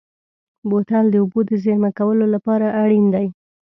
بوتل د اوبو د زېرمه کولو لپاره اړین دی.